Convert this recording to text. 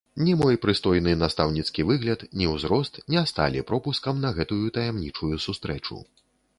Ні мой прыстойны настаўніцкі выгляд, ні ўзрост не сталі пропускам на гэтую таямнічую сустрэчу.